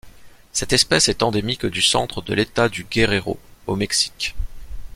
Cette espèce est endémique du centre de l'État du Guerrero au Mexique.